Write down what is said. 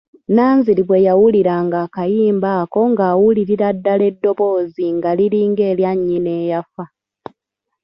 Nanziri bwe yawuliranga akayimba ako ng'awulirira ddala eddoboozi nga liringa erya nnyina eyafa.